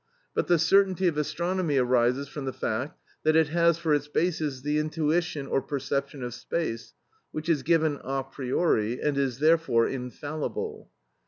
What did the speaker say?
But the certainty of astronomy arises from the fact that it has for its basis the intuition or perception of space, which is given a priori, and is therefore infallible.